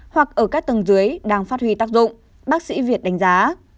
hoặc ở các tầng dưới đang phát huy tác dụng bác sĩ việt đánh giá